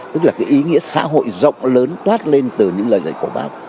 tức là cái ý nghĩa xã hội rộng lớn toát lên từ những lời dạy của bác